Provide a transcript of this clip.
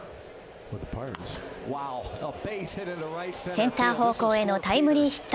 センター方向へのタイムリーヒット。